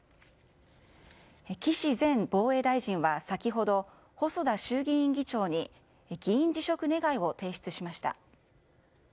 岸前防衛大臣は先ほど細田衆議院議長に議員辞職願を提出しました。